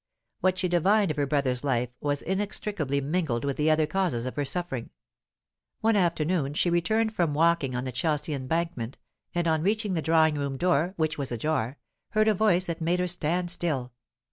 What she divined of her brother's life was inextricably mingled with the other causes of her suffering. One afternoon she returned from walking on the Chelsea Embankment, and, on reaching the drawing room door, which was ajar, heard a voice that made her stand still.